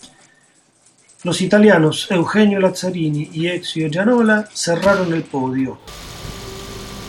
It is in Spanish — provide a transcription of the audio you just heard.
Los italiano Eugenio Lazzarini y Ezio Gianola cerraron el podio.